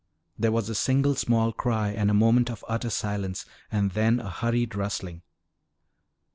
There was a single small cry and a moment of utter silence and then a hurried rustling.